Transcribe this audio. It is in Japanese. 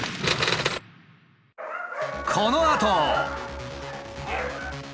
このあと。